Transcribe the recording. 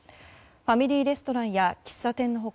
ファミリーレストランや喫茶店の他